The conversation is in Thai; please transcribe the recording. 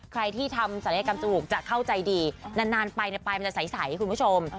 ใครที่ทำศัลยกรรมจมูกจะเข้าใจดีนานไปปลายมันจะใสคุณผู้ชม